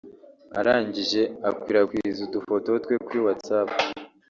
arangije akwirakwiza udufoto twe kuri whatsapp